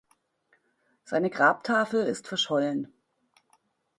Seine Grabtafel ist verschollen.